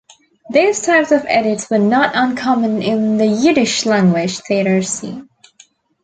These types of edits were not uncommon in the Yiddish-language theatre scene.